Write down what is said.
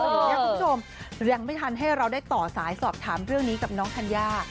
คุณผู้ชมยังไม่ทันให้เราได้ต่อสายสอบถามเรื่องนี้กับน้องธัญญา